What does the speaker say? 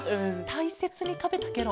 たいせつにたべたケロ？